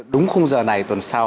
đúng khung giờ này tuần sau xin chào